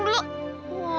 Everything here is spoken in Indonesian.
eh tunggu dulu